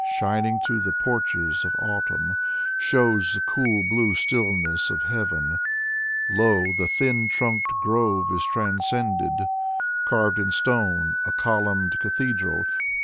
Shining through the porches of autumn, Shows the cool blue stillness of heaven. Lo, the thin trunked grove is transcended: Carved in stone, a columned cathedral.